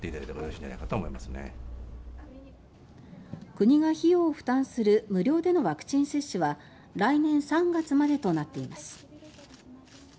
国が費用を負担する無料でのワクチン接種は来年３月までとなっています。